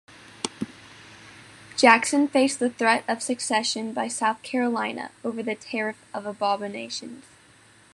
Jackson faced the threat of secession by South Carolina over the Tariff of Abominations.